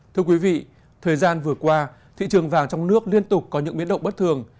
thưa quý vị thời gian vừa qua thị trường vàng trong nước liên tục có những biến động bất thường